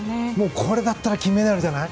これだったら金メダルじゃない？